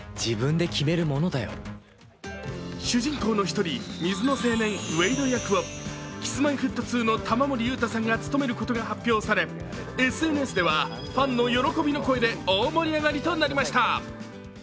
主人公の１人、水の青年・ウェイド役をＫｉｓ−Ｍｙ−Ｆｔ２の玉森裕太さんが務めることが発表され、ＳＮＳではファンの喜びの声で大盛り上がりとなりました。